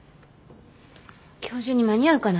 今日中に間に合うかな。